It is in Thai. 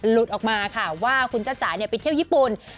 หลุดออกมาค่ะว่าคุณจ้าจ๋าไปเที่ยวญี่ปุ่น